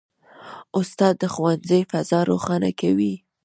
استاد د ښوونځي فضا روښانه کوي.